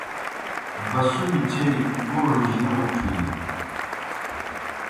بسُمیْ چیئی گوڙِجیْ نہ اُڇِینیْ۔